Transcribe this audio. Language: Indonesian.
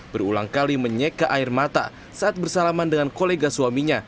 berulang kali menyeka air mata saat bersalaman dengan kolega suaminya